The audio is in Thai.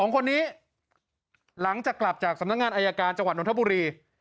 ๒คนนี้หลังจากกลับจากสำนักงานอายการจังหวัดนทบุรี